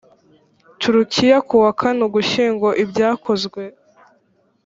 turukiya ku wa kane ugushyingo ibyakozwe